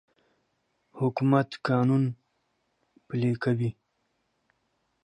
حکومت قانون پلی کوي.